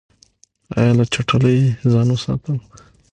ایا له چټلۍ ځان وساتم؟